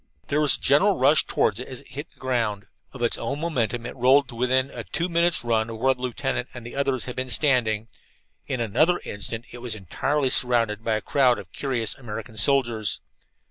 There was a general rush toward it as it hit the ground. Of its own momentum it rolled to within a two minutes' run of where the lieutenant and the others had been standing. In another instant it was entirely surrounded by a crowd of curious American soldiers.